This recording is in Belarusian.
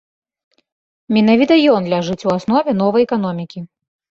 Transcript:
Менавіта ён ляжыць у аснове новай эканомікі.